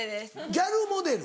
ギャルモデル？